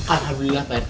alhamdulillah pak rt